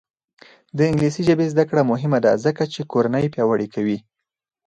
د انګلیسي ژبې زده کړه مهمه ده ځکه چې کورنۍ پیاوړې کوي.